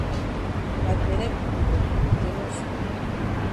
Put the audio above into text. Bad bele pipo dem go jealous you.